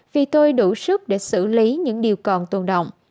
vì tôi đủ sức để xử lý những điều còn tồn động